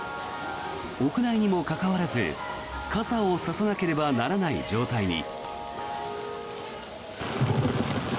屋内にもかかわらず傘を差さなければならない状態に。